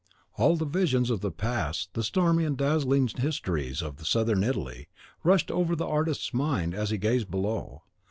All the visions of the past the stormy and dazzling histories of Southern Italy rushed over the artist's mind as he gazed below.